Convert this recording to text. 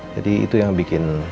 jadi itu yang bikin